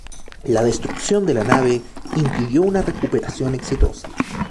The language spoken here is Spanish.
La destrucción de la nave impidió una recuperación exitosa.